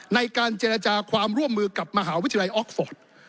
ในการเจรจาความร่วมมือกับมหาวิทยาลัยออกฟอร์ด